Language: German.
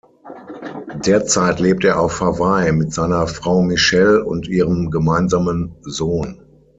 Derzeit lebt er auf Hawaii mit seiner Frau Michele und ihrem gemeinsamen Sohn.